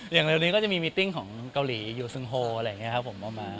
อย่างเร็วนี้ก็จะมีมิติ้งของเกาหลียูซึงโฮอะไรอย่างนี้ครับผมเอามา